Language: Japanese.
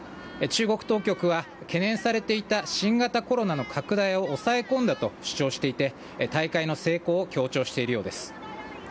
中国当局は懸念されていた新型コロナの拡大を抑え込んだと主張していて、大会の成功を強調しているようです。